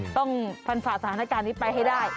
ต้องฟันฝ่าสถานการณ์นี้ไปให้ได้